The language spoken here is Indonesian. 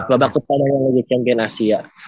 babak utama yang lagi champion asia